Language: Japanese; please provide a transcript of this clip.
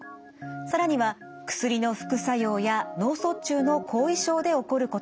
更には薬の副作用や脳卒中の後遺症で起こることもあります。